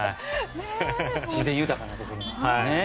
自然豊かなところなんですね。